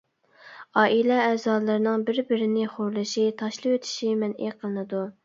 ئائىلە ئەزالىرىنىڭ بىر-بىرىنى خورلىشى، تاشلىۋېتىشى مەنئى قىلىنىدۇ.